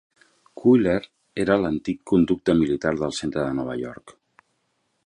Cuyler era a l'antic conducte militar del centre de Nova York.